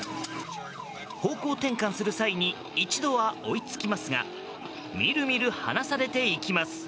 方向転換する際に一度は追いつきますがみるみる離されていきます。